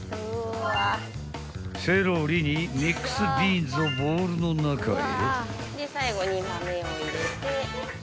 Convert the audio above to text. ［セロリにミックスビーンズをボウルの中へ］